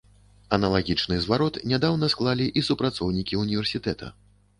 Аналагічны зварот нядаўна склалі і супрацоўнікі ўніверсітэта.